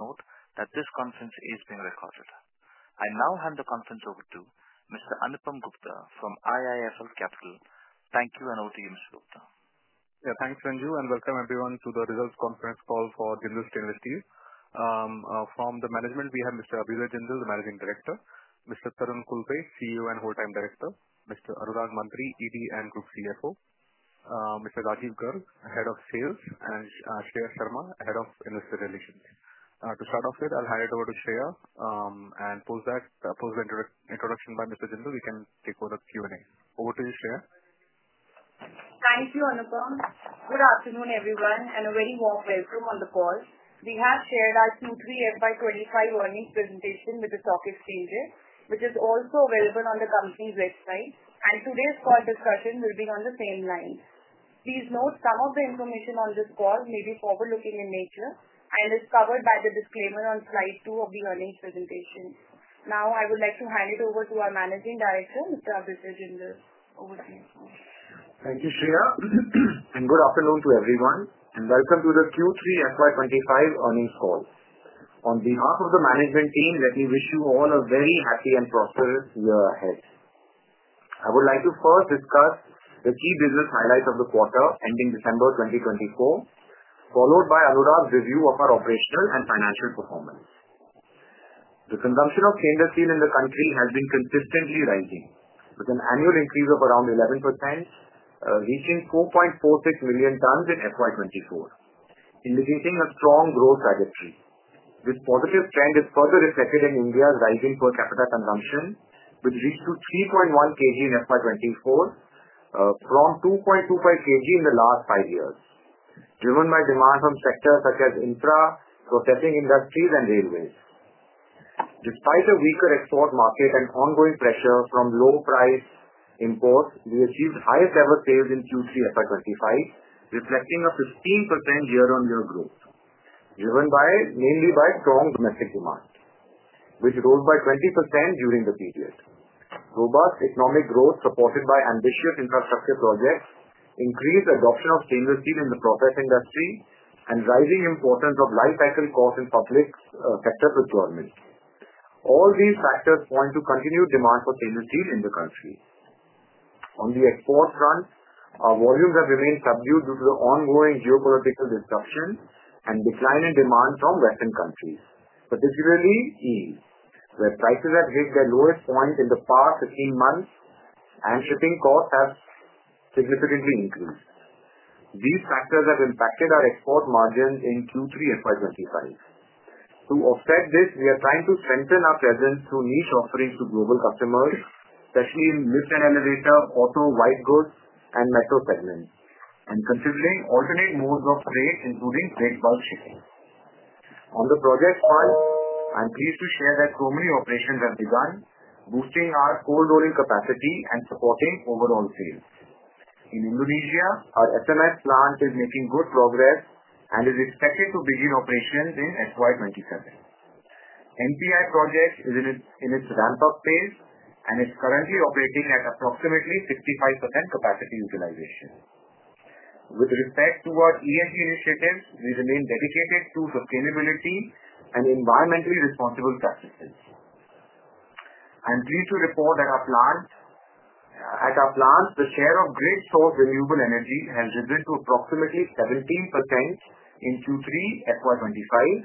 Note that this conference is being recorded. I now hand the conference over to Mr. Anupam Gupta from IIFL Capital. Thank you, and over to you, Mr. Gupta. Yeah, thanks, Sanju, and welcome everyone to the Results Conference call for Jindal Stainless. From the management, we have Mr. Abhyuday Jindal, the Managing Director, Mr. Tarun Khulbe, CEO and whole-time Director, Mr. Anurag Mantri, ED and Group CFO, Mr. Rajeev Garg, Head of Sales, and Shreya Sharma, Head of Investor Relations. To start off with, I'll hand it over to Shreya, and post that, post the introduction by Mr. Jindal. We can take over the Q&A. Over to you, Shreya. Thank you, Anupam. Good afternoon, everyone, and a very warm welcome on the call. We have shared our Q3 FY25 earnings presentation with the stock exchanges, which is also available on the company's website, and today's call discussion will be on the same lines. Please note some of the information on this call may be forward-looking in nature and is covered by the disclaimer on slide two of the earnings presentation. Now, I would like to hand it over to our Managing Director, Mr. Abhyuday Jindal. Over to you, sir. Thank you, Shreya, and good afternoon to everyone, and welcome to the Q3 FY25 earnings call. On behalf of the management team, let me wish you all a very happy and prosperous year ahead. I would like to first discuss the key business highlights of the quarter ending December 2024, followed by Anurag's review of our operational and financial performance. The consumption of stainless steel in the country has been consistently rising, with an annual increase of around 11%, reaching 4.46 million tons in FY24, indicating a strong growth trajectory. This positive trend is further reflected in India's rising per capita consumption, which reached 3.1 kg in FY24, from 2.25 kg in the last five years, driven by demand from sectors such as infra, processing industries, and railways. Despite a weaker export market and ongoing pressure from low-price imports, we achieved highest-ever sales in Q3 FY 2025, reflecting a 15% year-on-year growth, driven mainly by strong domestic demand, which rose by 20% during the period. Robust economic growth, supported by ambitious infrastructure projects, increased adoption of stainless steel in the process industry, and rising importance of life-cycle costs in public sectors with government. All these factors point to continued demand for stainless steel in the country. On the export front, volumes have remained subdued due to the ongoing geopolitical disruption and decline in demand from Western countries, particularly Europe, where prices have hit their lowest point in the past 15 months, and shipping costs have significantly increased. These factors have impacted our export margins in Q3 FY 2025. To offset this, we are trying to strengthen our presence through niche offerings to global customers, especially in lift and elevator, auto, white goods, and metro segments, and considering alternate modes of trade, including break bulk shipping. On the project front, I'm pleased to share that Chromeni operations have begun, boosting our cold rolling capacity and supporting overall sales. In Indonesia, our SMS plant is making good progress and is expected to begin operations in FY 2027. NPI project is in its ramp-up phase, and it's currently operating at approximately 65% capacity utilization. With respect to our ESG initiatives, we remain dedicated to sustainability and environmentally responsible practices. I'm pleased to report that at our plant, the share of grid-sourced renewable energy has risen to approximately 17% in Q3 FY 2025,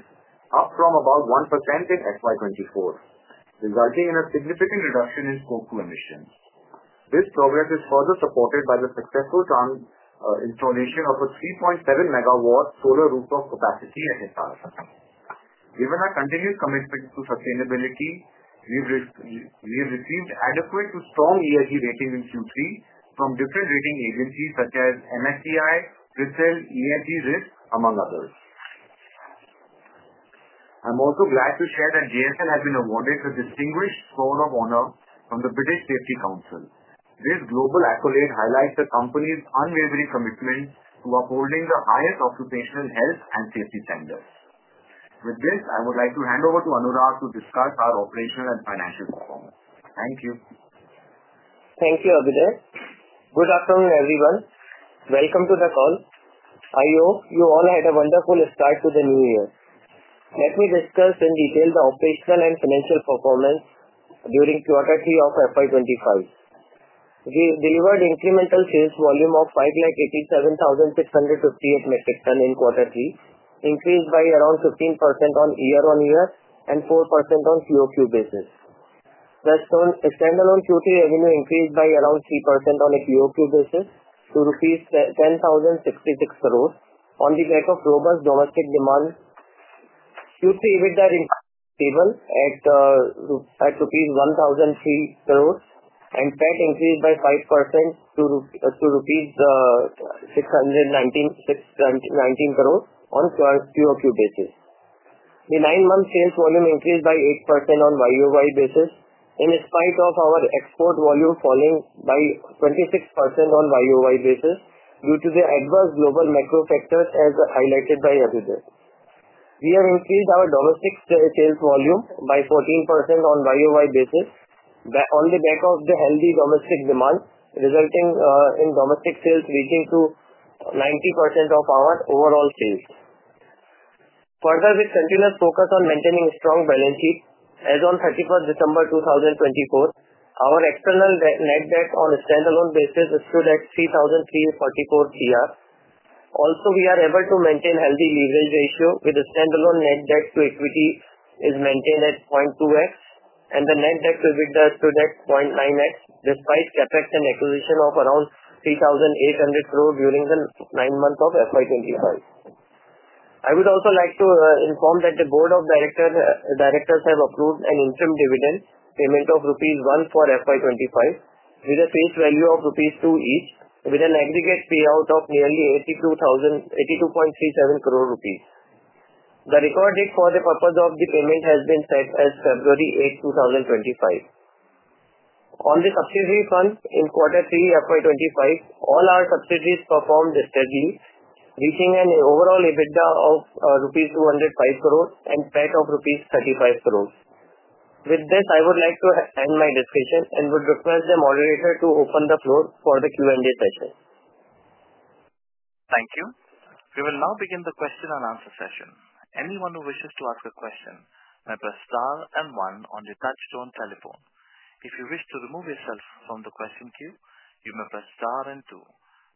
up from about 1% in FY 2024, resulting in a significant reduction in CO2 emissions. This progress is further supported by the successful installation of a 3.7 megawatt solar rooftop capacity at Hisar. Given our continued commitment to sustainability, we've received adequate to strong ESG rating in Q3 from different rating agencies such as MSCI, CRISIL ESG Risk, among others. I'm also glad to share that JSL has been awarded the Distinguished Sword of Honour from the British Safety Council. This global accolade highlights the company's unwavering commitment to upholding the highest occupational health and safety standards. With this, I would like to hand over to Anurag to discuss our operational and financial performance. Thank you. Thank you, Abhyuday. Good afternoon, everyone. Welcome to the call. I hope you all had a wonderful start to the new year. Let me discuss in detail the operational and financial performance during Q3 of FY 2025. We delivered incremental sales volume of 587,658 metric tons in Q3, increased by around 15% on year-on-year and 4% on QoQ basis. The standalone Q3 revenue increased by around 3% on a QoQ basis to rupees 10,066 crore. On the back of robust domestic demand, Q3 EBITDA stable at rupees 1,003 crore, and PAT increased by 5% to 619 crore rupees on QoQ basis. The nine-month sales volume increased by 8% on YoY basis, in spite of our export volume falling by 26% on YoY basis due to the adverse global macro factors, as highlighted by Abhyuday. We have increased our domestic sales volume by 14% on YoY basis on the back of the healthy domestic demand, resulting in domestic sales reaching to 90% of our overall sales. Further, with continuous focus on maintaining a strong balance sheet, as on 31st December 2024, our external net debt on a standalone basis stood at 3,344 crore. Also, we are able to maintain a healthy leverage ratio with the standalone net debt to equity maintained at 0.2x, and the net debt to EBITDA stood at 0.9x, despite CapEx and acquisition of around 3,800 crore during the nine months of FY 2025. I would also like to inform that the Board of Directors have approved an interim dividend payment of rupees 1 for FY25, with a face value of rupees 2 each, with an aggregate payout of nearly 82 crore rupees, 82.37 crore rupees. The record date for the purpose of the payment has been set as February 8, 2025. On the subsidiary fund in Q3 FY 2025, all our subsidiaries performed steadily, reaching an overall EBITDA of rupees 205 crore and PAT of rupees 35 crore. With this, I would like to end my discussion and would request the moderator to open the floor for the Q&A session. Thank you. We will now begin the question and answer session. Anyone who wishes to ask a question may press star and one on the touch-tone telephone. If you wish to remove yourself from the question queue, you may press star and two.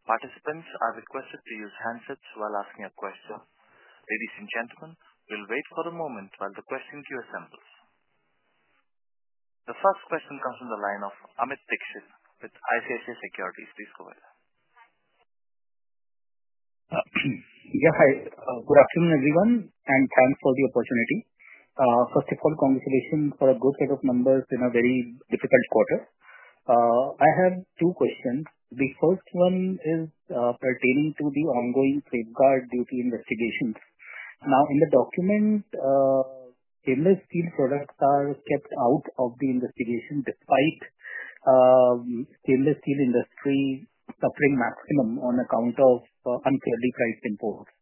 Participants are requested to use handsets while asking a question. Ladies and gentlemen, we'll wait for a moment while the question queue assembles. The first question comes from the line of Amit Dixit with ICICI Securities. Please go ahead. Yeah, hi. Good afternoon, everyone, and thanks for the opportunity. First of all, congratulations for a good set of numbers in a very difficult quarter. I have two questions. The first one is, pertaining to the ongoing safeguard duty investigations. Now, in the document, stainless steel products are kept out of the investigation despite the stainless steel industry suffering maximum on account of unfairly priced imports.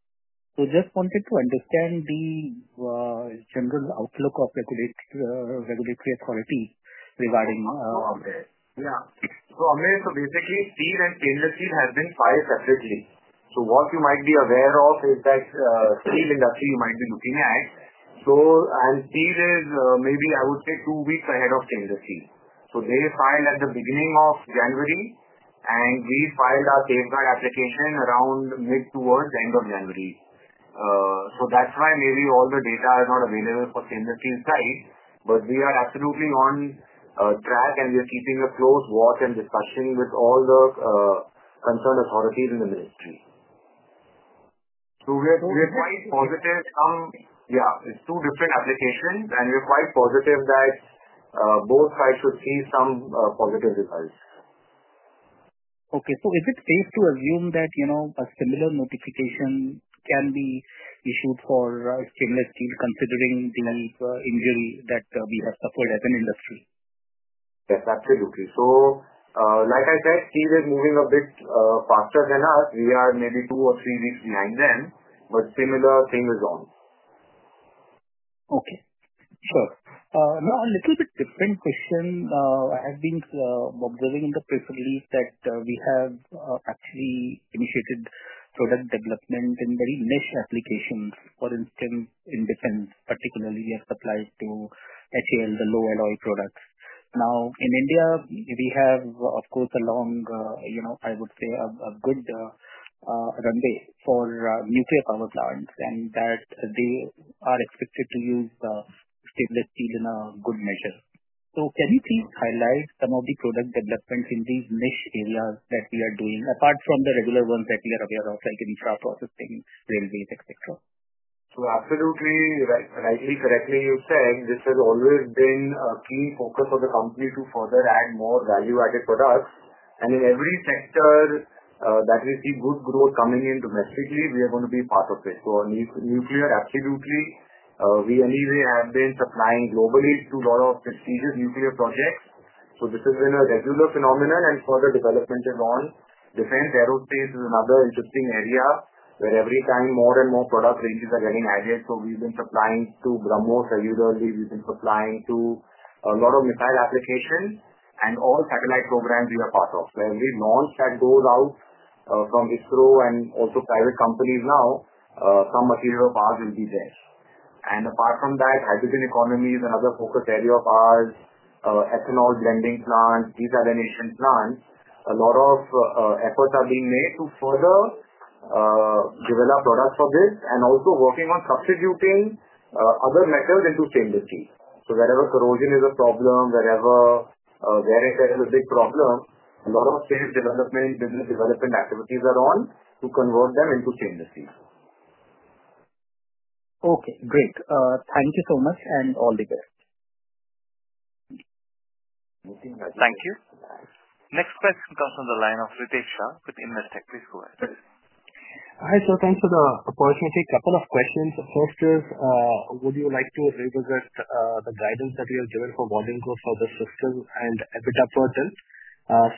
So just wanted to understand the general outlook of regulatory authority regarding, Oh, Amit. Yeah. So, Amit, so basically, steel and stainless steel have been filed separately. So what you might be aware of is that, steel industry you might be looking at. So, and steel is, maybe, I would say, two weeks ahead of stainless steel. So they filed at the beginning of January, and we filed our safeguard application around mid towards the end of January. So that's why maybe all the data are not available for stainless steel side, but we are absolutely on track, and we are keeping a close watch and discussion with all the concerned authorities in the ministry. So we're quite positive some, yeah, it's two different applications, and we're quite positive that both sides should see some positive results. Okay. So is it safe to assume that, you know, a similar notification can be issued for, stainless steel considering the, injury that, we have suffered as an industry? Yes, absolutely. So, like I said, steel is moving a bit faster than us. We are maybe two or three weeks behind them, but similar, same result. Okay. Sure. Now, a little bit different question. I have been observing in the press release that we have actually initiated product development in very niche applications, for instance, in defense. Particularly, we have supplied to HAL the low-alloy products. Now, in India, we have, of course, a long, you know, I would say, a good runway for nuclear power plants, and that they are expected to use stainless steel in a good measure. So can you please highlight some of the product developments in these niche areas that we are doing, apart from the regular ones that we are aware of, like infra processing, railways, etc.? So absolutely, right, rightly, correctly you've said. This has always been a key focus for the company to further add more value-added products. And in every sector that we see good growth coming in domestically, we are going to be part of it. So on nuclear, absolutely, we anyway have been supplying globally to a lot of prestigious nuclear projects. So this has been a regular phenomenon, and further development is on. Defense, aerospace is another interesting area where every time more and more product ranges are getting added. So we've been supplying to BrahMos regularly. We've been supplying to a lot of missile applications and all satellite programs we are part of. So every launch that goes out from ISRO and also private companies now, some material of ours will be there. And apart from that, hydrogen economy is another focus area of ours, ethanol blending plant. These are the nation's plants. A lot of efforts are being made to further develop products for this and also working on substituting other metals into stainless steel. So wherever corrosion is a problem, wherever wear and tear is a big problem, a lot of R&D development, business development activities are on to convert them into stainless steel. Okay. Great. Thank you so much, and all the best. Thank you. Next question comes from the line of Ritesh Shah with Investec. Please go ahead. Hi. Thanks for the opportunity. Couple of questions. First is, would you like to revisit the guidance that we have given for volume growth for the year and EBITDA margin,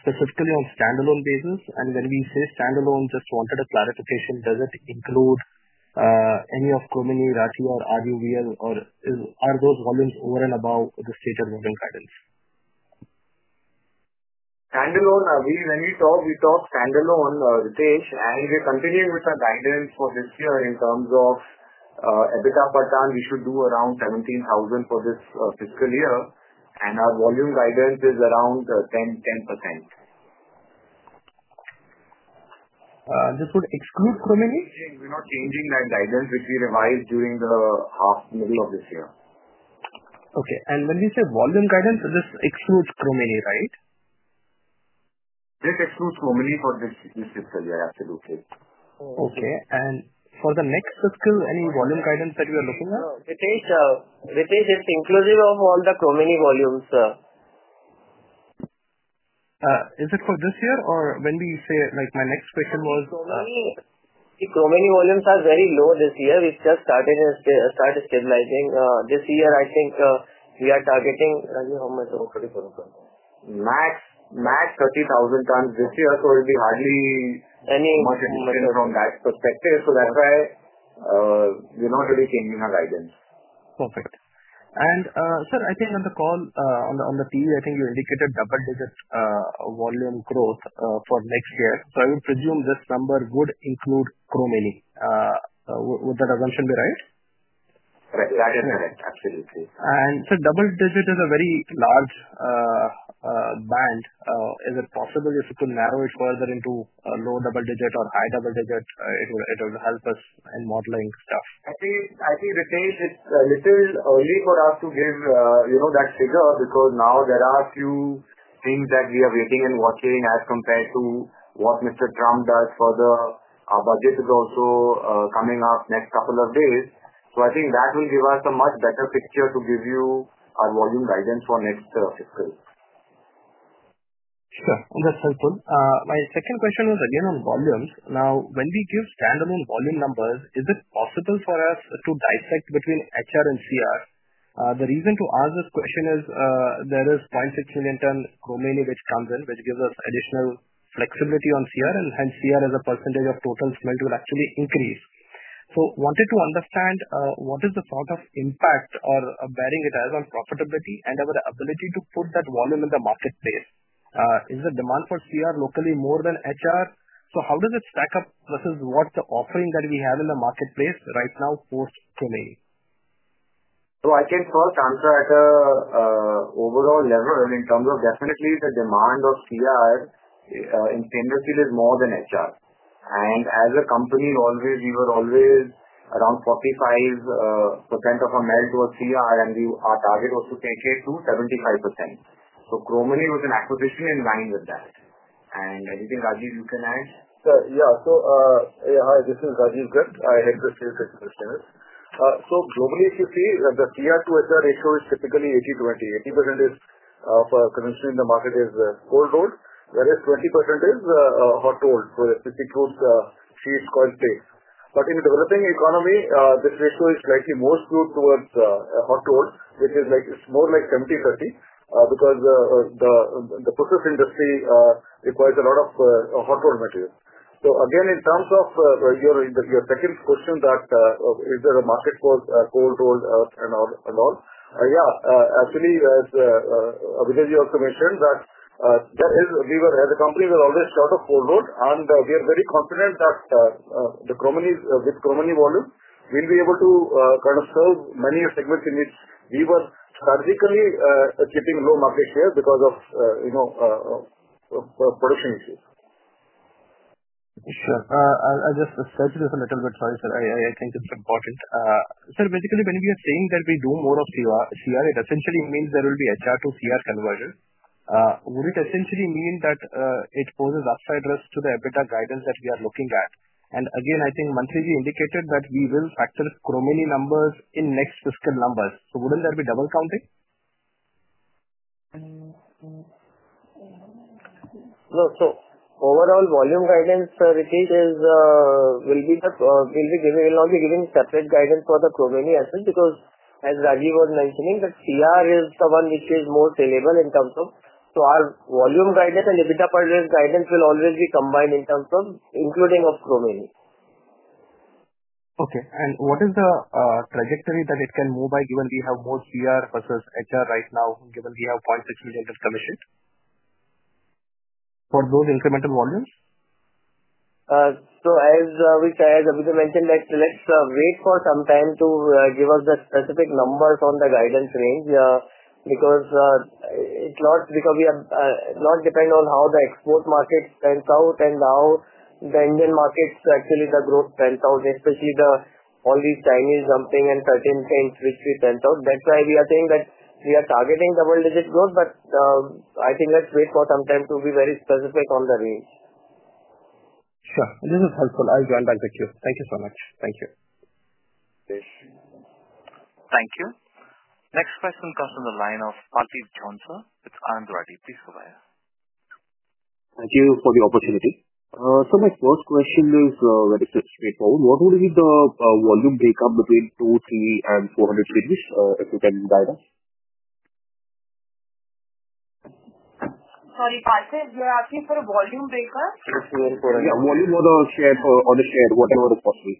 specifically on standalone basis? And when we say standalone, just wanted a clarification. Does it include any of Chromeni, Rathi, or RUVL, or are those volumes over and above the stated volume guidance? Standalone, when we talk, we talk standalone, Ritesh Shah, and we're continuing with the guidance for this year in terms of EBITDA per ton. We should do around 17,000 for this fiscal year, and our volume guidance is around 10%. This would exclude Chromeni? We're not changing that guidance, which we revised during the half, middle of this year. Okay, and when we say volume guidance, this excludes Chromeni, right? This excludes Chromeni for this fiscal year. Absolutely. Okay. And for the next fiscal, any volume guidance that we are looking at? Ritesh Shah, it's inclusive of all the Chromeni volumes, sir. Is it for this year, or when we say, like, my next question was? Chromeni volumes are very low this year. We've just started to start stabilizing this year. I think we are targeting how much? Oh, INR 34,000. Max, max 30,000 tons this year, so it'll be hardly. Any. Much different from that perspective. So that's why, we're not really changing our guidance. Perfect. And, sir, I think on the call, on the TV, I think you indicated double-digit volume growth for next year. So I would presume this number would include Chromeni. Would that assumption be right? Correct. That is correct. Absolutely. Sir, double-digit is a very large band. Is it possible if we could narrow it further into a low double-digit or high double-digit? It would help us in modeling stuff. I think Ritesh Shah, it's a little early for us to give, you know, that figure because now there are a few things that we are waiting and watching as compared to what Mr. Trump does for the budget, which is also coming up next couple of days. So I think that will give us a much better picture to give you our volume guidance for next fiscal. Sure. That's helpful. My second question was again on volumes. Now, when we give standalone volume numbers, is it possible for us to dissect between HR and CR? The reason to ask this question is, there is 0.6 million ton Chromeni, which comes in, which gives us additional flexibility on CR, and hence CR as a percentage of total smelt will actually increase. So wanted to understand, what is the sort of impact or bearing it has on profitability and our ability to put that volume in the marketplace? Is the demand for CR locally more than HR? So how does it stack up versus what the offering that we have in the marketplace right now post Chromeni? So I can first answer at an overall level in terms of definitely the demand of CR in stainless steel is more than HR. And as a company, we were always around 45% of our melt was CR, and our target was to take it to 75%. So Chromeni was an acquisition in line with that. And anything, Rajeev, you can add? Yeah. So, yeah, hi. This is Rajeev Garg. I head the steel consumer service. So globally, if you see, the CR to HR ratio is typically 80/20. 80% is for consumer in the market cold rolled, whereas 20% is hot rolled. So that's such as sheets, coils, plates. But in a developing economy, this ratio is slightly more skewed towards hot rolled, which is like it's more like 70/30, because the process industry requires a lot of hot rolled material. So again, in terms of your second question that is there a market for cold rolled and all? Yeah. Actually, as you also mentioned that there is, we were as a company, we're always short of cold rolled, and we are very confident that the Chromeni's with Chromeni volume we'll be able to kind of serve many segments in which we were strategically keeping low market share because of you know production issues. Sure. I just said this a little bit. Sorry, sir. I think it's important, sir. Basically, when we are saying that we do more of CR, it essentially means there will be HR to CR conversion. Would it essentially mean that it poses upside risk to the EBITDA guidance that we are looking at? And again, I think monthly we indicated that we will factor Chromeni numbers in next fiscal numbers. So wouldn't that be double counting? So overall volume guidance, Ritesh Shah, is we will not be giving separate guidance for the Chromeni as well because, as Rajeev was mentioning, that CR is the one which is more saleable in terms of. So our volume guidance and EBITDA per rate guidance will always be combined in terms of including of Chromeni. Okay. And what is the trajectory that it can move by, given we have more CR versus HR right now, given we have 0.6 million decommissioned? For those incremental volumes? As Anurag mentioned, let's wait for some time to give us the specific numbers on the guidance range, because it depends on how the export markets pan out and how the Indian markets actually the growth pan out, especially all these Chinese dumping and certain trends which we pan out. That's why we are saying that we are targeting double-digit growth, but I think let's wait for some time to be very specific on the range. Sure. This is helpful. I'll join back the queue. Thank you so much. Thank you. Thank you. Next question comes from the line of Parthiv Jhonsa with Anand Rathi. Please go ahead. Thank you for the opportunity. So my first question is very straightforward. What would be the volume breakup between 200, 300, and 400 sheets, if you can guide us? Sorry, Parthiv, you're asking for a volume breakup? Yes, for yeah, volume or the share, whatever is possible.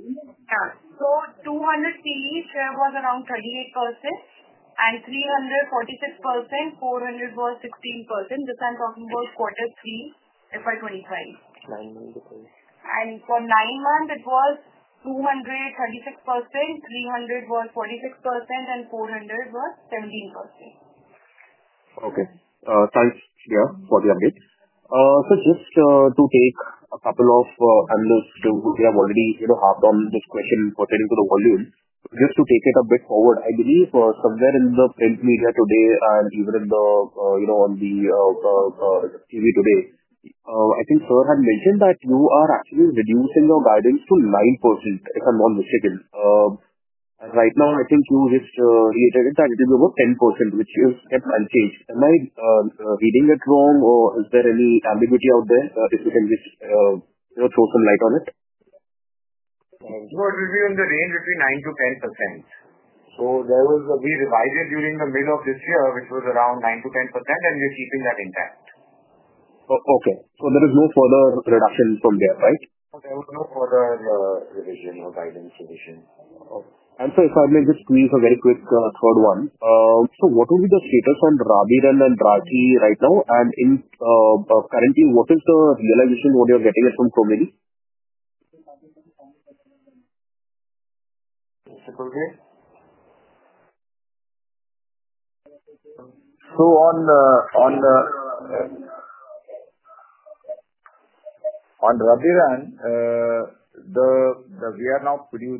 Yeah, so 200 series share was around 38%, and 300, 46%, 400 was 16%. This, I'm talking about quarter three FY25. Nine months. For nine months, it was 200, 36%, 300 was 46%, and 400 was 17%. Okay. Thanks, yeah, for the update. So just to take a couple of analysts to we have already, you know, half done this question pertaining to the volume. Just to take it a bit forward, I believe somewhere in the print media today and even in the, you know, on the TV today, I think sir had mentioned that you are actually reducing your guidance to 9%, if I'm not mistaken. Right now, I think you just reiterated that it will be about 10%, which is a mild change. Am I reading it wrong, or is there any ambiguity out there? If you can just, you know, throw some light on it. We were reviewing the range between 9%-10%. So we revised it during the middle of this year, which was around 9%-10%, and we're keeping that intact. Oh, okay. So there is no further reduction from there, right? There was no further revision or guidance revision. Okay. And sir, if I may just squeeze a very quick, third one, so what would be the status on Rabirun and Rathi right now? And currently, what is the realization you're getting from Chromeni? Basically, on Rabirun,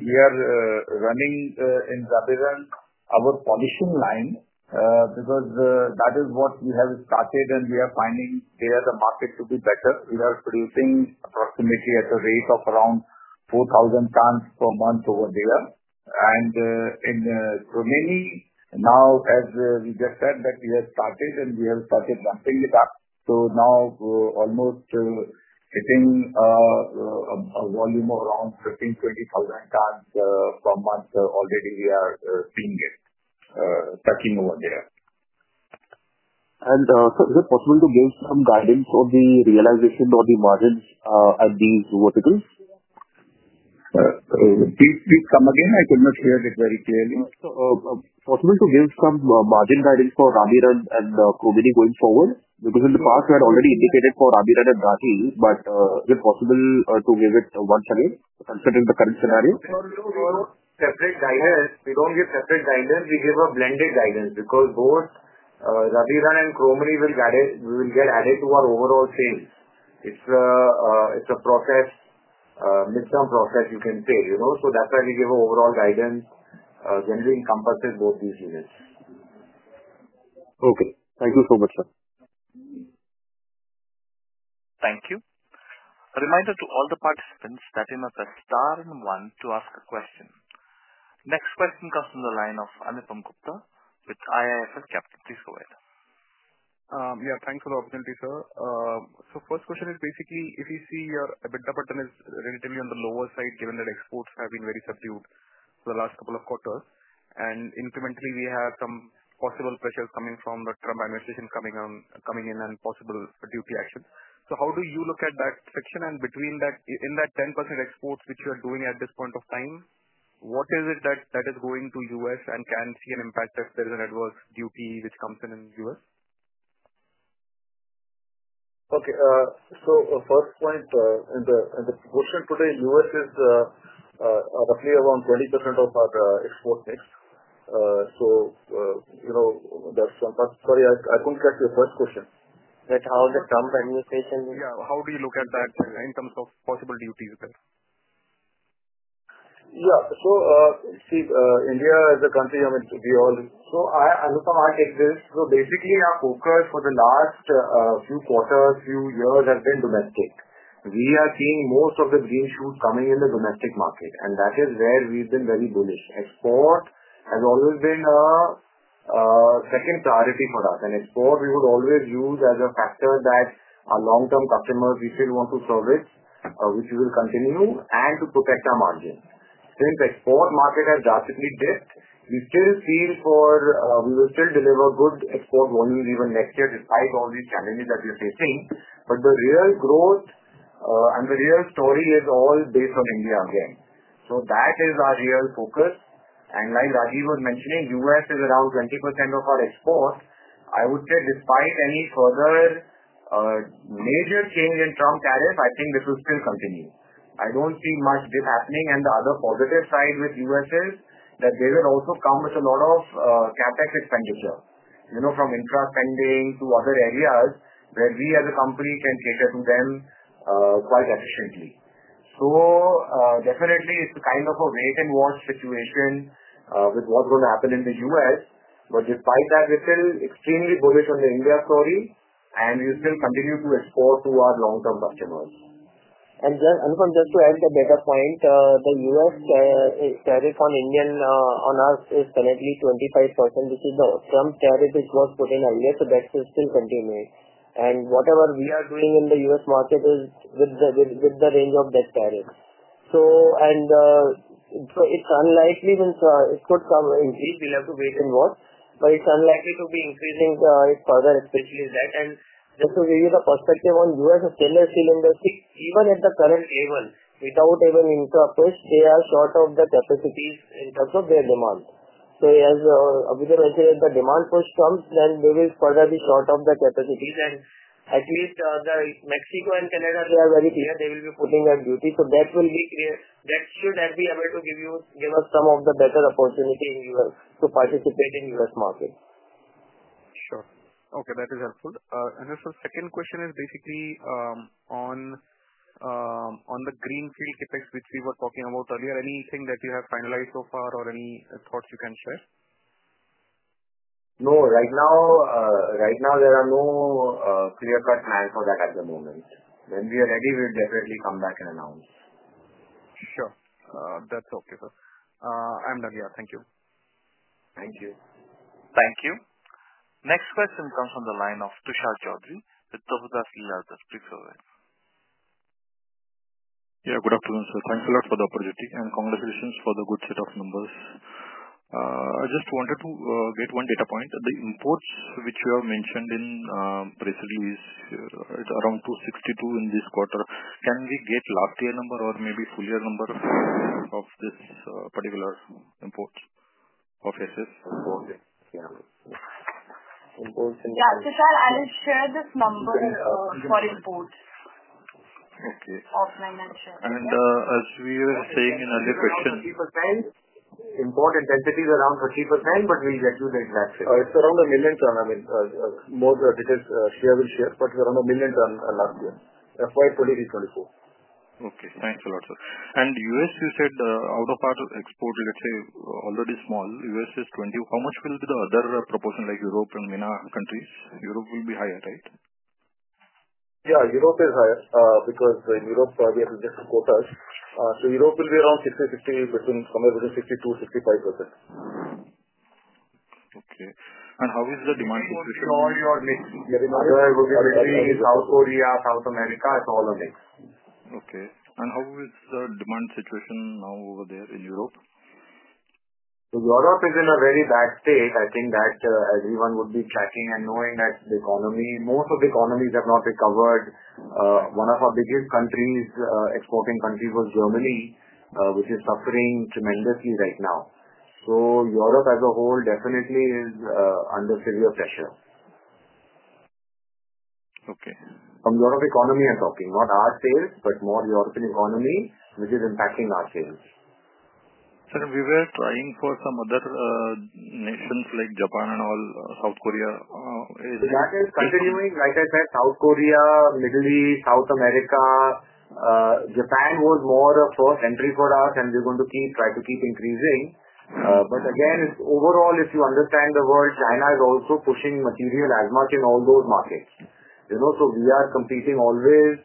we are running in Rabirun our polishing line, because that is what we have started, and we are finding there the market to be better. We are producing approximately at a rate of around 4,000 tons per month over there. In Chromeni now, as we just said that we have started, and we have started ramping it up. Now almost hitting a volume of around 15,000-20,000 tons per month already we are seeing it touching over there. Sir, is it possible to give some guidance on the realization or the margins at these verticals? Please, please come again. I could not hear it very clearly. Possible to give some margin guidance for Rabirun and Chromeni going forward? Because in the past, we had already indicated for Rabirun and Rathi, but is it possible to give it once again considering the current scenario? We don't give separate guidance. We give a blended guidance because both, Rabirun and Chromeni will guide it will get added to our overall sales. It's a process, midterm process, you can say, you know? So that's why we give overall guidance, generally encompasses both these units. Okay. Thank you so much, sir. Thank you. A reminder to all the participants that you must star and one to ask a question. Next question comes from the line of Anupam Gupta with IIFL Capital. Please go ahead. Yeah, thanks for the opportunity, sir. So first question is basically, if you see your EBITDA per ton is relatively on the lower side given that exports have been very subdued for the last couple of quarters, and incrementally we have some possible pressures coming from the Trump administration coming in and possible duty actions. So how do you look at that section? And between that, in that 10% exports which you are doing at this point of time, what is it that is going to U.S. and can see an impact if there is an adverse duty which comes in in U.S.? Okay. So first point, in the question today, U.S. is roughly around 20% of our export mix. So, you know, that's sometimes sorry, I couldn't catch your first question. That's how the Trump administration is. Yeah. How do you look at that in terms of possible duties there? Yeah. So, see, India as a country, I mean, we all. So I, Anupam, I'll take this. So basically, our focus for the last few quarters, few years has been domestic. We are seeing most of the green shoots coming in the domestic market, and that is where we've been very bullish. Export has always been a second priority for us, and export we would always use as a factor that our long-term customers we still want to service, which we will continue and to protect our margin. Since the export market has drastically dipped, we still feel for, we will still deliver good export volumes even next year despite all these challenges that we are facing. The real growth, and the real story is all based on India again. That is our real focus. And like Rajeev was mentioning, U.S. is around 20% of our export. I would say despite any further, major change in Trump tariff, I think this will still continue. I don't see much dip happening, and the other positive side with U.S. is that they will also come with a lot of, CapEx expenditure, you know, from infra spending to other areas where we as a company can cater to them, quite efficiently, so definitely it's a kind of a wait-and-watch situation, with what's going to happen in the U.S., but despite that, we're still extremely bullish on the India story, and we'll still continue to export to our long-term customers. Just, Anupam, just to add the better point, the U.S. tariff on Indian, on us is currently 25%, which is the Trump tariff which was put in earlier. That will still continue. Whatever we are doing in the U.S. market is with the range of that tariff. It's unlikely it could increase. We'll have to wait and watch, but it's unlikely to be increasing further, especially that. Just to give you the perspective on U.S., the stainless steel industry, even at the current level, without even infra push, they are short of the capacities in terms of their demand. As Amit mentioned, if the demand push comes, then they will further be short of the capacities. At least, Mexico and Canada, they are very clear they will be putting their duty. So that will be clear. That should be able to give us some of the better opportunity in U.S. to participate in U.S. market. Sure. Okay. That is helpful. Anupam, second question is basically on the greenfield CapEx which we were talking about earlier. Anything that you have finalized so far or any thoughts you can share? No. Right now, there are no clear-cut plans for that at the moment. When we are ready, we'll definitely come back and announce. Sure. That's okay, sir. Anupam, thank you. Thank you. Thank you. Next question comes from the line of Tushar Chaudhari with Prabhudas Lilladher, please go ahead. Yeah. Good afternoon, sir. Thanks a lot for the opportunity, and congratulations for the good set of numbers. I just wanted to get one data point. The imports which you have mentioned in the presentation, it's around 262 in this quarter. Can we get last year number or maybe full year number of this particular imports of SS? Imports in. Yeah. Tushar, I'll share this number, for imports. Okay. Of my mention. As we were saying in earlier question. 30%. Import intensity is around 30%, but we'll get you the exact figure. It's around a million ton. I mean, more details, Shreya will share, but it's around a million ton last year, FY 2023-2024. Okay. Thanks a lot, sir, and U.S., you said, out of our export, let's say, already small, U.S. is 20. How much will be the other, proportion like Europe and MENA countries? Europe will be higher, right? Yeah. Europe is higher, because in Europe, we have less quotas, so Europe will be around 60%-65%, somewhere between 62%-65%. Okay. And how is the demand situation? It's all a mix. It will be mixing South Korea, South America. It's all a mix. Okay. And how is the demand situation now over there in Europe? So Europe is in a very bad state. I think that everyone would be tracking and knowing that the economy, most of the economies have not recovered. One of our biggest countries, exporting countries was Germany, which is suffering tremendously right now. So Europe as a whole definitely is under severe pressure. Okay. From European economy, I'm talking, not our sales, but more European economy, which is impacting our sales. Sir, we were trying for some other nations like Japan and all, South Korea, is it? That is continuing, like I said, South Korea, Middle East, South America. Japan was more a first entry for us, and we're going to keep trying to keep increasing. But again, it's overall, if you understand the world, China is also pushing material as much in all those markets, you know? So we are competing always,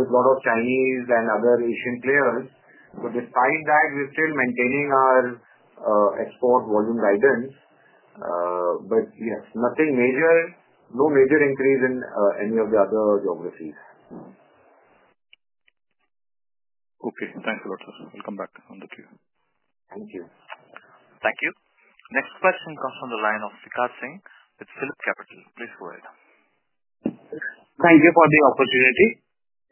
with a lot of Chinese and other Asian players. So despite that, we're still maintaining our export volume guidance. But yes, nothing major, no major increase in any of the other geographies. Okay. Thanks a lot, sir. We'll come back on the queue. Thank you. Thank you. Next question comes from the line of Vikash Singh with PhillipCapital. Please go ahead. Thank you for the opportunity.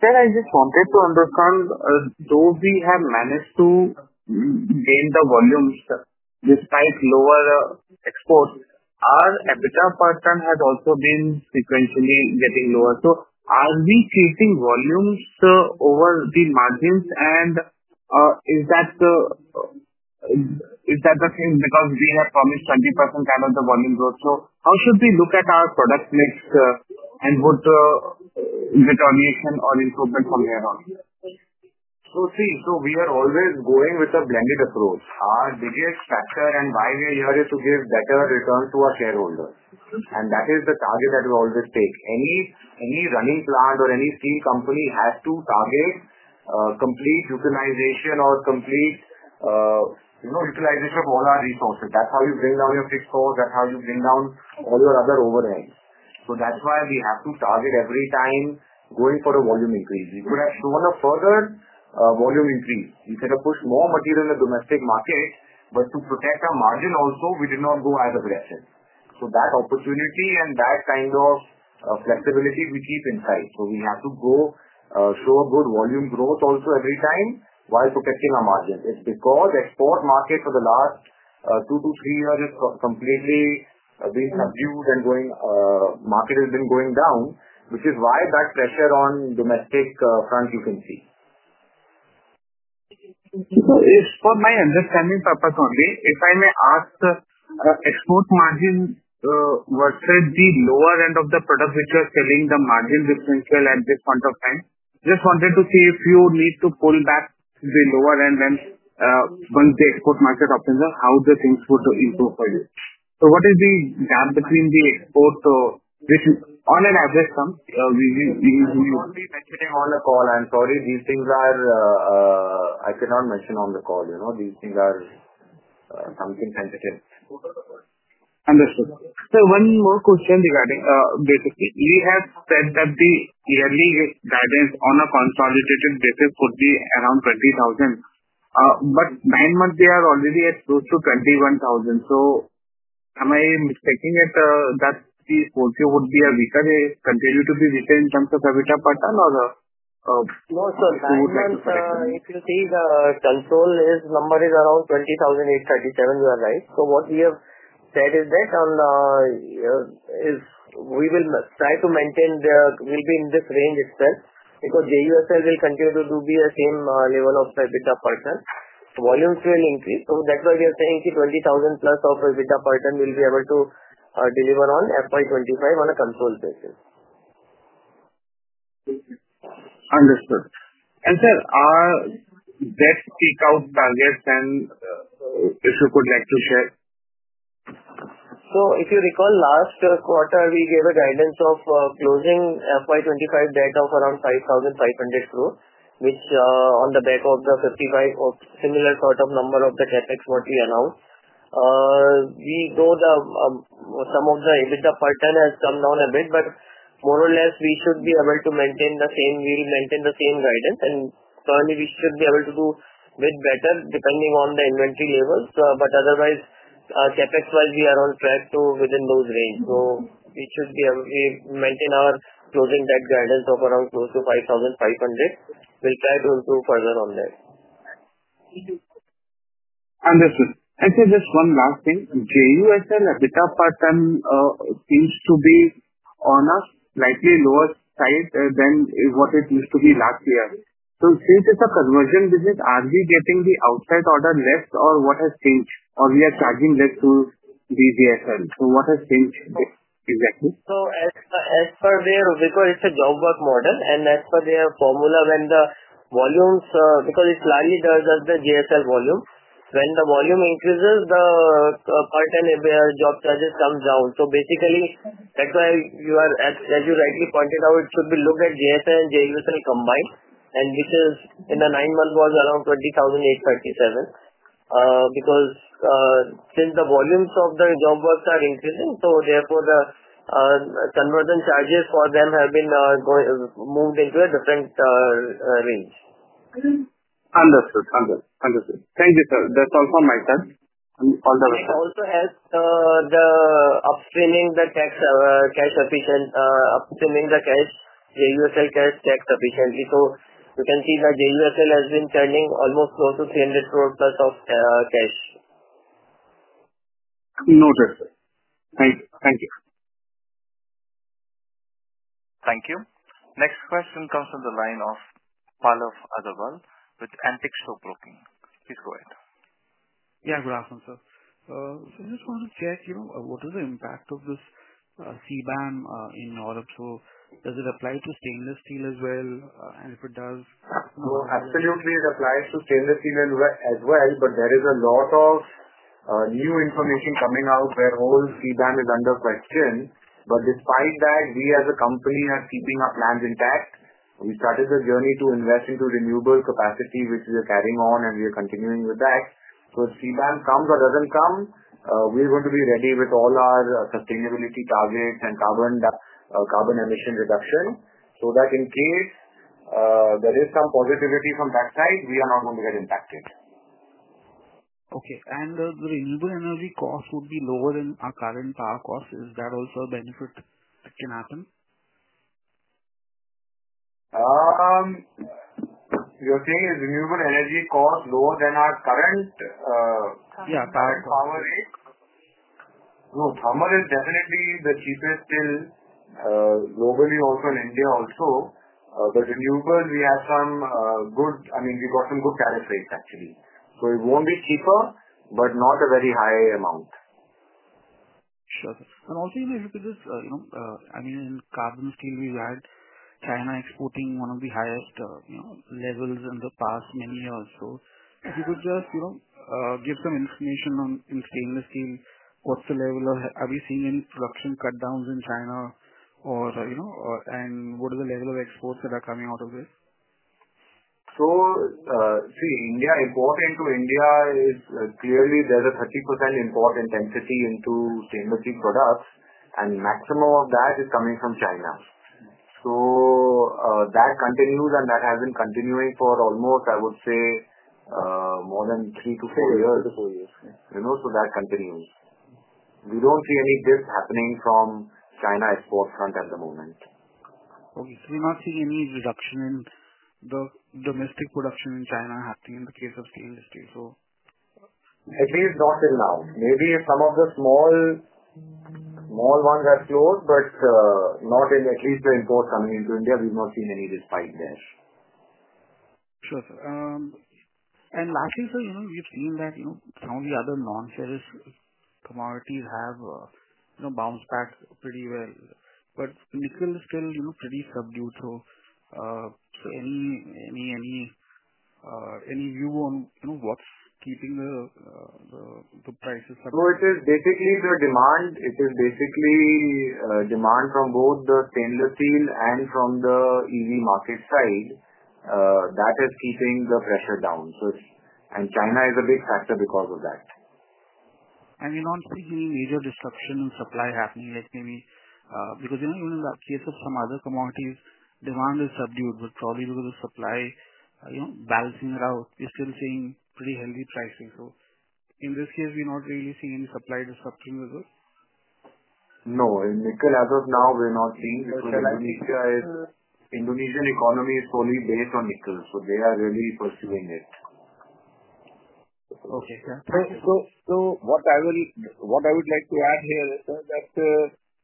Sir, I just wanted to understand, though we have managed to gain the volumes, despite lower exports, our EBITDA per ton has also been sequentially getting lower. So are we keeping volumes over the margins? And is that, is that the thing? Because we have promised 20% out of the volume growth. So how should we look at our product mix, and what determination or improvement from there on? See, so we are always going with a blended approach. Our biggest factor and why we are here is to give better returns to our shareholders. That is the target that we always take. Any running plant or any steel company has to target complete utilization or complete, you know, utilization of all our resources. That is how you bring down your fixed costs. That is how you bring down all your other overheads. So that's why we have to target every time going for a volume increase. We could have shown a further volume increase. We could have pushed more material in the domestic market, but to protect our margin also, we did not go as aggressive. So that opportunity and that kind of flexibility we keep in sight. So we have to go show a good volume growth also every time while protecting our margins. It's because export market for the last two to three years is completely being subdued and going market has been going down, which is why that pressure on domestic front you can see. So if for my understanding purpose only, if I may ask, export margin versus the lower end of the product which you are selling, the margin differential at this point of time, just wanted to see if you need to pull back the lower end and, once the export market opens up, how the things would improve for you. So what is the gap between the export, which on an average term, we? We're only mentioning on the call. I'm sorry. These things are. I cannot mention on the call, you know? These things are something sensitive. Understood. Sir, one more question regarding basically. We have said that the yearly guidance on a consolidated basis would be around 20,000, but in the month, we are already at close to 21,000. So am I mistaking it, that the forecast would be a weaker quarter? Continue to be weaker in terms of EBITDA per ton or smooth? No, sir. No, sir. If you see the consolidated number is around 20,837, you are right. So what we have said is that on this we will try to maintain. We'll be in this range itself because JUSL will continue to be the same level of EBITDA per ton. Volumes will increase. So that's why we are saying 20,000 plus of EBITDA per ton we'll be able to deliver on FY25 on a consolidated basis. Understood. And sir, our debt peak-out targets and if you could like to share? So if you recall, last quarter we gave a guidance of closing FY 2025 debt of around 5,500 crore, which on the back of the 55 or similar sort of number of the CapEx what we announced. We know that some of the EBITDA per ton has come down a bit, but more or less we should be able to maintain the same. We'll maintain the same guidance, and probably we should be able to do a bit better depending on the inventory levels. But otherwise, CapEx-wise, we are on track to within that range. So we should be able to maintain our closing debt guidance of around close to 5,500. We'll try to improve further on that. Understood. And sir, just one last thing. JUSL EBITDA per ton seems to be on a slightly lower side than what it used to be last year. So since it's a conversion business, are we getting the outside order less or what has changed? Or we are charging less to the JSL? So what has changed exactly? So, as per their formula, because it's a job work model, and as per their formula, when the volumes, because it largely does the JSL volume, increase, the per ton job charges come down. So basically, that's why, as you rightly pointed out, it should be looked at JSL and JUSL combined, and which in the nine months was around 20,837, because since the volumes of the job work are increasing, so therefore the conversion charges for them have been moved into a different range. Understood. Understood. Understood. Thank you, sir. That's all from my side and all the rest. It also has upstreaming the cash, JUSL cash tax efficiently, so you can see that JUSL has been turning almost close to 300 crore plus of cash. Noted, sir. Thank you. Thank you. Thank you. Next question comes from the line of Pallav Agarwal with Antique Stock Broking. Please go ahead. Yeah. Good afternoon, sir. So I just want to check, you know, what is the impact of this, CBAM, in Europe? So does it apply to stainless steel as well? And if it does. So absolutely it applies to stainless steel as well, but there is a lot of new information coming out where whole CBAM is under question. But despite that, we as a company are keeping our plans intact. We started the journey to invest into renewable capacity which we are carrying on, and we are continuing with that. So if CBAM comes or doesn't come, we're going to be ready with all our sustainability targets and carbon emission reduction so that in case there is some positivity from that side, we are not going to get impacted. Okay, and the renewable energy cost would be lower than our current power cost. Is that also a benefit that can happen? You're saying is renewable energy cost lower than our current power rate? Yeah. Power rate. No, thermal is definitely the cheapest still, globally also in India also. But renewables, we have some, good I mean, we got some good tariff rates actually. So it won't be cheaper, but not a very high amount. Sure. And also, you know, if you could just, you know, I mean, in carbon steel, we've had China exporting one of the highest, you know, levels in the past many years. So if you could just, you know, give some information on, in stainless steel, what's the level of are we seeing any production cutdowns in China or, you know, and what are the level of exports that are coming out of this? See, India import into India is clearly there's a 30% import intensity into stainless steel products, and maximum of that is coming from China. That continues, and that has been continuing for almost, I would say, more than three-to-four years. Three-to-four years. You know, so that continues. We don't see any dip happening from China export front at the moment. Okay, so you're not seeing any reduction in the domestic production in China happening in the case of stainless steel, so? At least not till now. Maybe some of the small, small ones are closed, but not in the least. The imports coming into India, we've not seen any despite there. Sure, sir. And lastly, sir, you know, we've seen that, you know, some of the other non-ferrous commodities have, you know, bounced back pretty well. But nickel is still, you know, pretty subdued. So any view on, you know, what's keeping the prices? So it is basically the demand. It is basically demand from both the stainless steel and from the EV market side. That is keeping the pressure down. So it's, and China is a big factor because of that. You're not seeing any major disruption in supply happening, like maybe, because, you know, even in the case of some other commodities, demand is subdued, but probably because of supply, you know, balancing it out, you're still seeing pretty healthy pricing. So in this case, we're not really seeing any supply disruption with it? No. In nickel as of now, we're not seeing because Indonesian economy is solely based on nickel, so they are really pursuing it. Okay. Yeah. What I would like to add here is that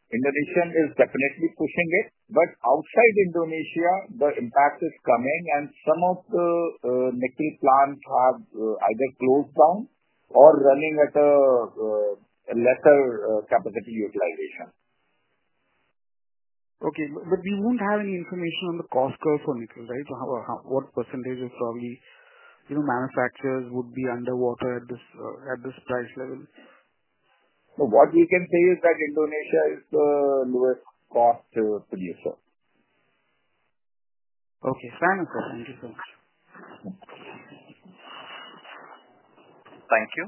Indonesia is definitely pushing it, but outside Indonesia, the impact is coming, and some of the nickel plants have either closed down or running at a lesser capacity utilization. Okay. But we won't have any information on the cost curve for nickel, right? So, how what percentage of probably, you know, manufacturers would be underwater at this price level? What we can say is that Indonesia is the lowest-cost producer. Okay. Fantastic. Thank you so much. Thank you.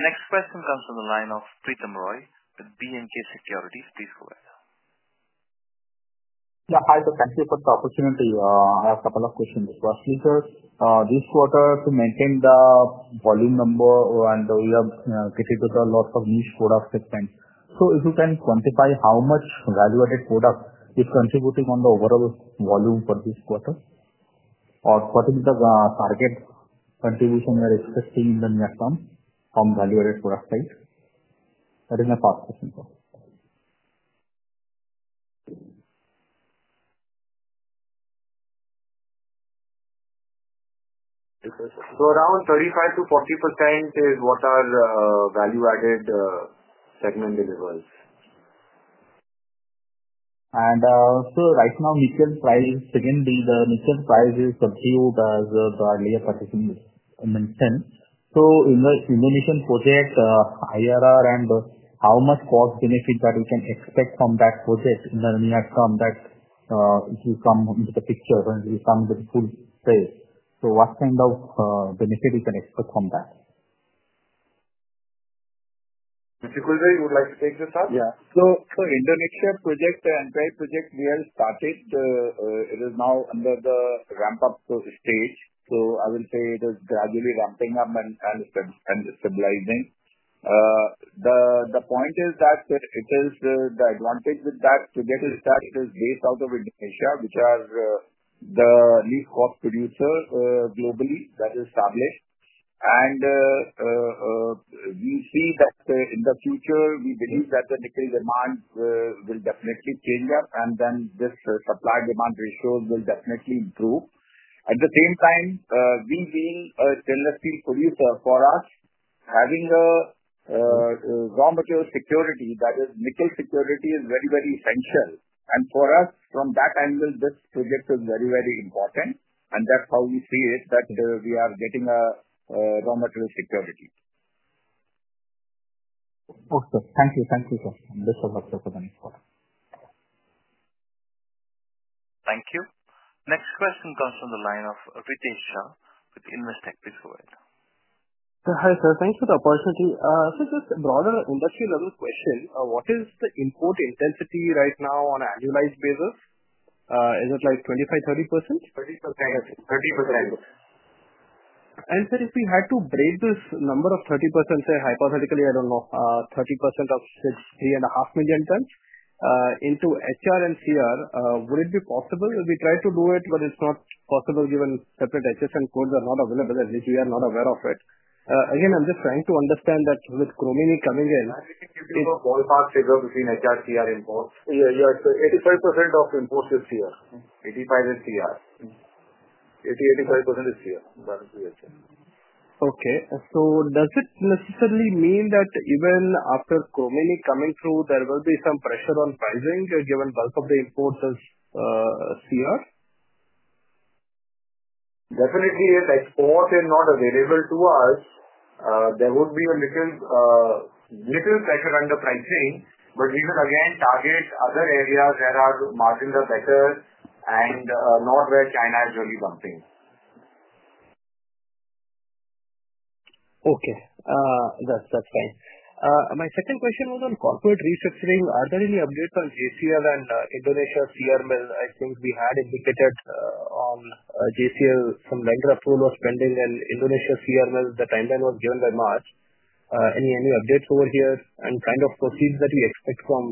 Next question comes from the line of Pritam Roy with B&K Securities. Please go ahead. Yeah. Hi, sir. Thank you for the opportunity. I have a couple of questions. Firstly, sir, this quarter, to maintain the volume number and we have, getting to the loss of niche products this time, so if you can quantify how much value-added product is contributing on the overall volume for this quarter or what is the, target contribution we are expecting in the near term from value-added product side? That is my first question for you. So around 35%-40% is what our, value-added, segment delivers. And, so right now, nickel price is again subdued as the earlier participants mentioned. In the Indonesian project, IRR and how much cost benefit that we can expect from that project in the near term that if you come into the picture and if you come into the full phase, so what kind of benefit you can expect from that? Mr. Khulbe, you would like to take this up? Yeah. So, the Indonesia project, the NPI project, we have started. It is now under the ramp-up stage. So I will say it is gradually ramping up and stabilizing. The point is that the advantage with that project is that it is based out of Indonesia, which is the least cost producer globally that is established. And we see that in the future, we believe that the nickel demand will definitely pick up, and then this supply-demand ratio will definitely improve. At the same time, we, as a stainless steel producer, for us having raw material security that is nickel security is very, very essential. And for us, from that angle, this project is very, very important, and that's how we see it that we are getting raw material security. Okay. Thank you. Thank you, sir. I'm just a doctor for the next quarter. Thank you. Next question comes from the line of Ritesh Shah with Investec. Please go ahead. Sir, hi sir. Thank you for the opportunity. So just a broader industry-level question. What is the import intensity right now on an annualized basis? Is it like 25%-30%? 30%. Okay. 30%. Sir, if we had to break this number of 30%, say hypothetically, I don't know, 30% of, say, three and a half million tons, into HR and CR, would it be possible? We tried to do it, but it's not possible given separate HSN codes are not available, at least we are not aware of it. Again, I'm just trying to understand that with Chromeni coming in. Can you give me the ballpark figure between HR, CR, import? Yeah. Yeah. So 85% of imports is CR. 85% is CR. 80%-85% is CR, currently. Okay. So does it necessarily mean that even after Chromeni coming through, there will be some pressure on pricing given bulk of the imports is CR? Definitely. If exports are not available to us, there would be a little pressure underpricing, but we will again target other areas where our margins are better, and not where China is really dumping. Okay. That's fine. My second question was on corporate restructuring. Are there any updates on JCL and Indonesia CR Mill? I think we had indicated on JCL some length of overall spending and Indonesia CR Mill. The timeline was given by March. Any updates over here and kind of proceeds that we expect from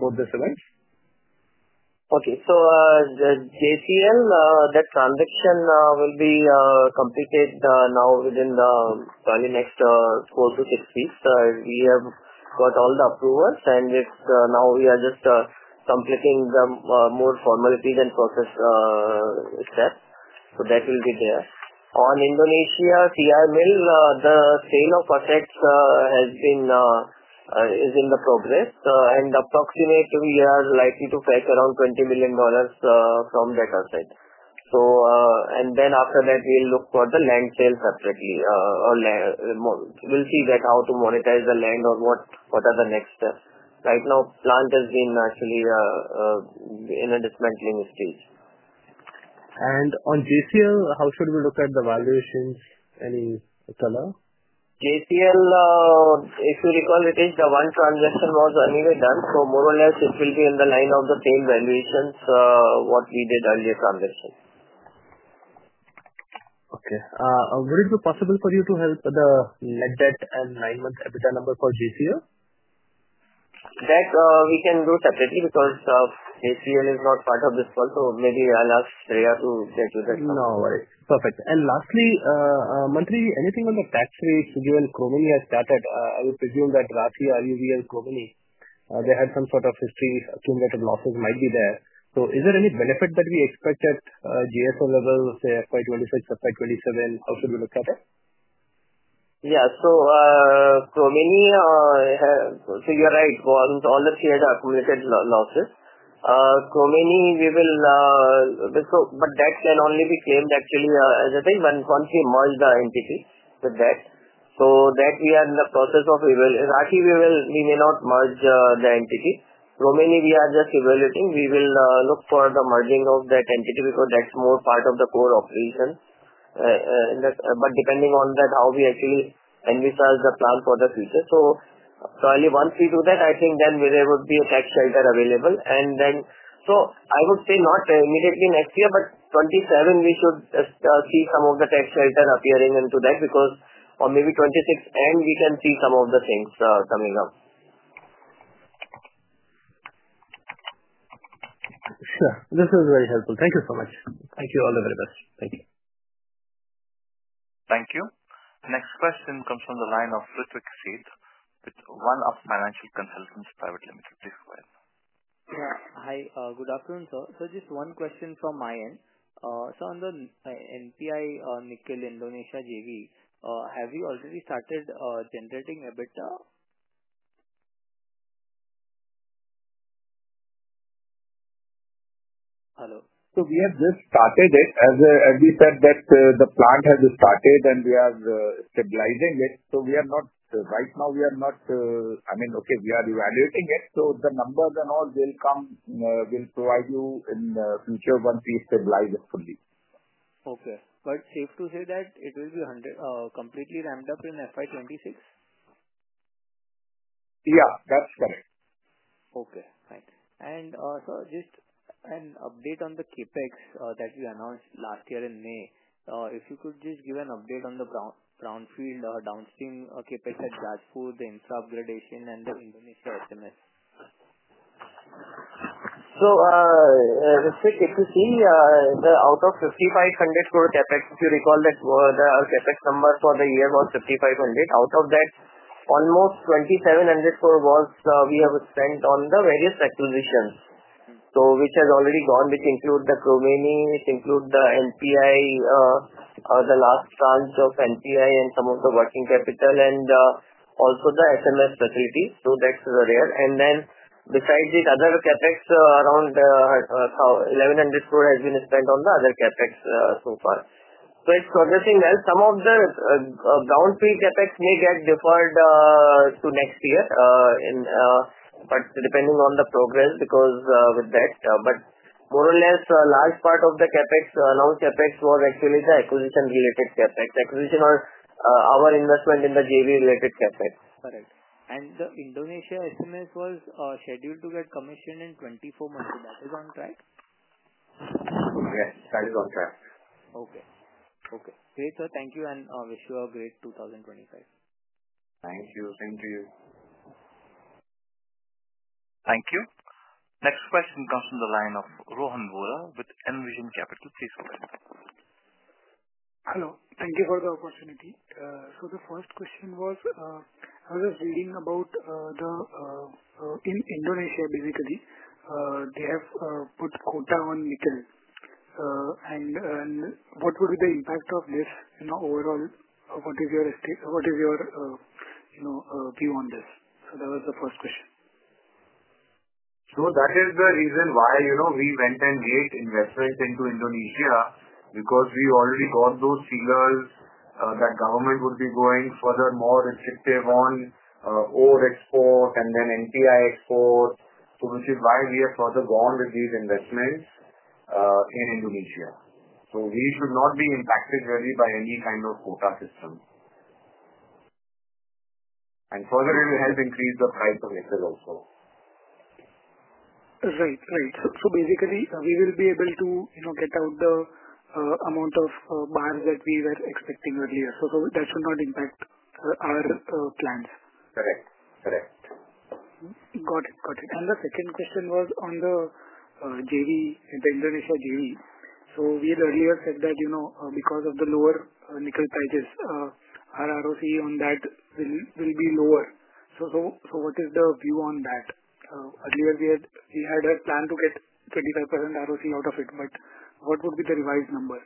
both these events? Okay. So, the JCL that transaction will be completed now within probably the next four to six weeks. We have got all the approvals, and it's now we are just completing the more formalities and process steps. So that will be there. On Indonesia CR Mill, the sale of assets has been, is in progress, and approximately we are likely to fetch around $20 million from that asset. So, and then after that, we'll look for the land sales separately, or later we'll see that how to monetize the land or what, what are the next steps. Right now, plant has been actually in a dismantling stage. On JCL, how should we look at the valuations? Any color? JCL, if you recall, Ritesh, the one transaction was anyway done, so more or less it will be in line with the same valuations what we did earlier transaction. Okay. Would it be possible for you to help the net debt and nine-month EBITDA number for JCL? That we can do separately because JCL is not part of this one, so maybe I'll ask Shreya to get you that. No worries. Perfect. And lastly, Mantri, anything on the tax rates given Chromeni has started? I would presume that Rathi, RUVL, Chromeni, they had some sort of historical accumulated losses might be there. So is there any benefit that we expect at JSL level, say FY 2026, FY 2027? How should we look at it? Yeah. So, Chromeni, ah so you're right. All the CRs are accumulated losses. Chromeni, we will, so but that can only be claimed actually, as a thing once we merge the entity with that. So that we are in the process of evaluating. Rathi, we may not merge the entity. Chromeni, we are just evaluating. We will look for the merging of that entity because that's more part of the core operation, in that. But depending on that, how we actually envisage the plan for the future. So probably once we do that, I think then there would be a tax shelter available. And then so I would say not immediately next year, but 2027 we should see some of the tax shelter appearing into that because or maybe 2026 end, we can see some of the things coming up. Sure. This was very helpful. Thank you so much. Thank you. All the very best. Thank you. Thank you. Next question comes from the line of Ritwik Sheth with OneUp Financial Consultants Private Limited. Please go ahead. Yeah. Hi. Good afternoon, sir. So just one question from my end. So on the NPI, Nickel Indonesia JV, have we already started generating EBITDA? Hello? So we have just started it, as we said that the plant has started and we are stabilizing it. So we are not right now. I mean, we are evaluating it. So the numbers and all will come, will provide you in the future once we stabilize it fully. Okay, but safe to say that it will be 100% completely ramped up in FY26? Yeah. That's correct. Okay. Thanks. Sir, just an update on the CapEx that we announced last year in May. If you could just give an update on the brownfield downstream CapEx at Jajpur, the infra upgradation, and the Indonesia SMS. So, if you see, out of 5,500 for CapEx, if you recall that, the CapEx number for the year was 5,500. Out of that, almost 2,700 we have spent on the various acquisitions. So which has already gone, which include the Chromeni, the NPI, the last tranche of NPI and some of the working capital, and also the SMS facility. So that's this year. And then besides this, other CapEx around 1,100 crore has been spent on the other CapEx so far. So it's progressing well. Some of the brownfield CapEx may get deferred to next year, but depending on the progress because with that. But more or less, a large part of the CapEx announced CapEx was actually the acquisition-related CapEx or our investment in the JV-related CapEx. Correct. And the Indonesia SMS was scheduled to get commissioned in 24 months. Is that on track? Yes. That is on track. Okay. Okay. Great, sir. Thank you, and wish you a great 2025. Thank you. Same to you. Thank you. Next question comes from the line of Rohan Vora with Envision Capital. Please go ahead. Hello. Thank you for the opportunity. So the first question was, I was just reading about in Indonesia, basically, they have put quota on nickel, and what would be the impact of this? You know, overall, what is your stance, you know, view on this? So that was the first question. So that is the reason why, you know, we went and made investments into Indonesia because we already got those deals, that government would be going further more restrictive on ore export and then NPI export. So which is why we have further gone with these investments in Indonesia. So we should not be impacted really by any kind of quota system, and further, it will help increase the price of nickel also. Right. So, basically, we will be able to, you know, get out the amount of bars that we were expecting earlier. So, that should not impact our plans. Correct. Correct. Got it. Got it. And the second question was on the JV, the Indonesia JV. So we had earlier said that, you know, because of the lower nickel prices, our ROC on that will be lower. So what is the view on that? Earlier we had a plan to get 25% ROC out of it, but what would be the revised number?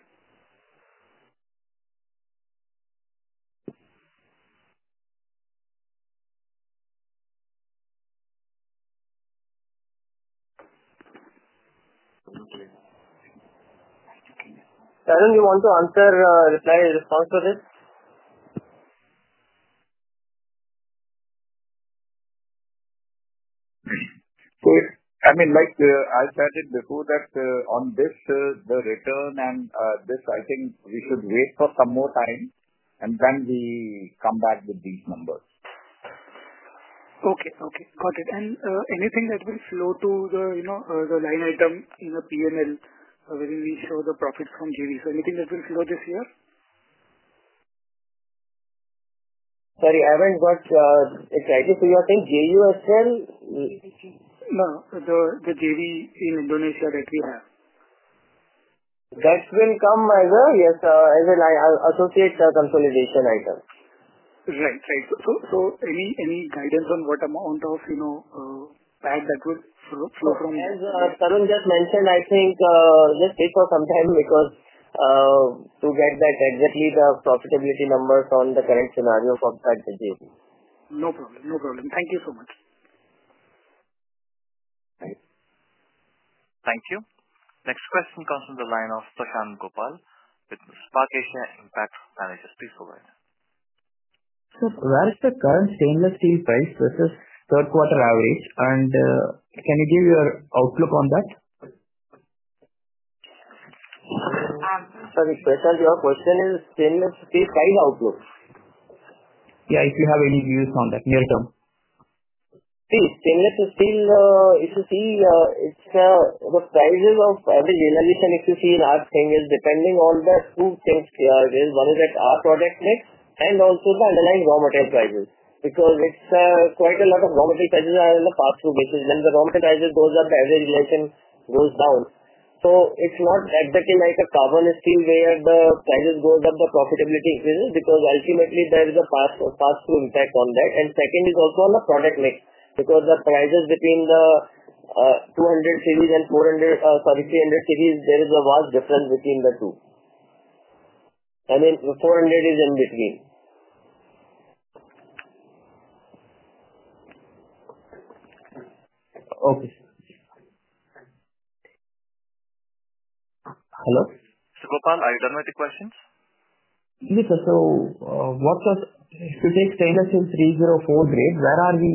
I don't know. You want to answer, reply, response to this? Okay. So, I mean, like, as I said before that, on this, the return and this, I think we should wait for some more time, and then we come back with these numbers. Okay. Okay. Got it. And anything that will flow to the, you know, the line item in the P&L when we show the profits from JV? So anything that will flow this year? Sorry, I haven't got it. It's rightly. So you are saying JUSL? No. The JV in Indonesia that we have. That will come as an associate consolidation item. Right. So, any guidance on what amount of, you know, PAT that will flow from? So as Tarun just mentioned, I think just wait for some time because to get that exactly the profitability numbers on the current scenario for that JV. No problem. No problem. Thank you so much. Thank you. Next question comes from the line of Prasanth Gopal with Spark Asia Impact Managers. Please go ahead. Sir, where is the current stainless steel price versus third-quarter average? And, can you give your outlook on that? Sorry, Prasanth, your question is stainless steel price outlook? Yeah. If you have any views on that near term? See, stainless steel, if you see, it's the prices of average realization if you see in our line is depending on the two things. One is that our product mix and also the underlying raw material prices because it's quite a lot of raw material prices are in the pass-through, which is when the raw material prices goes up, the average realization goes down. So it's not exactly like a carbon steel where the prices go up, the profitability increases because ultimately there is a pass-through impact on that. And second is also on the product mix because the prices between the 200 series and 400, sorry, 300 series, there is a vast difference between the two. I mean, the 400 is in between. Okay. Hello? Mr. Gopal, are you done with the questions? Yes, sir, so what does if you take stainless steel 304 grade, where are we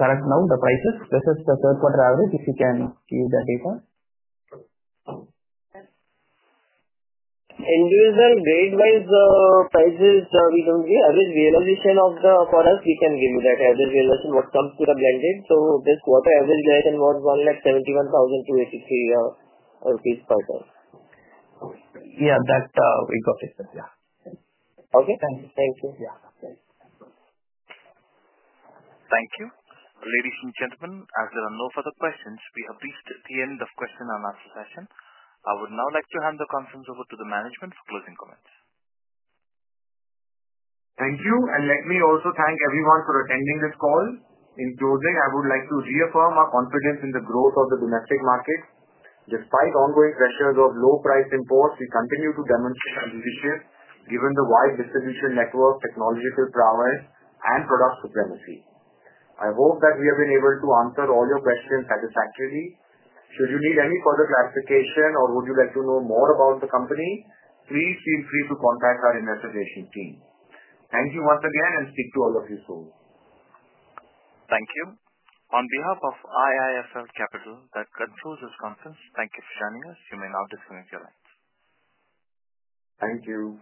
currently now, the prices versus the third-quarter average, if you can give that data? Individual grade-wise prices, we don't give. Average realization overall for us, we can give you that average realization what comes to the blended. So this quarter average realization was INR 171,283 per ton. Yeah. That, we got it. Yeah. Okay. Thank you. Thank you. Yeah. Thanks. Thank you. Ladies and gentlemen, as there are no further questions, we have reached the end of question and answer session. I would now like to hand the conference over to the management for closing comments. Thank you. And let me also thank everyone for attending this call. In closing, I would like to reaffirm our confidence in the growth of the domestic market. Despite ongoing pressures of low-priced imports, we continue to demonstrate our leadership given the wide distribution network, technological prowess, and product supremacy. I hope that we have been able to answer all your questions satisfactorily. Should you need any further clarification or would you like to know more about the company, please feel free to contact our investor relations team. Thank you once again and speak to all of you soon. Thank you. On behalf of IIFL Capital, that concludes this conference. Thank you for joining us. You may now disconnect your lines. Thank you.